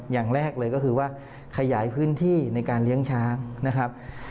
อย่างแรกเลยก็คือว่าขยายพื้นที่ในการเลี้ยงช้างนะครับ